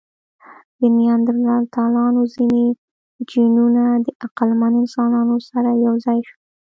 د نیاندرتالانو ځینې جینونه د عقلمن انسانانو سره یو ځای شول.